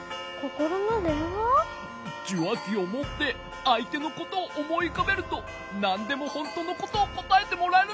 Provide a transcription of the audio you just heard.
じゅわきをもってあいてのことをおもいうかべるとなんでもほんとのことをこたえてもらえるんだ。